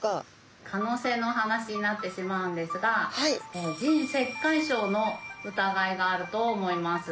可能性の話になってしまうんですが腎石灰症の疑いがあると思います。